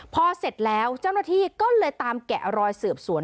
พอเสร็จแล้วเจ้าหน้าที่ก็เลยตามแกะรอยสืบสวน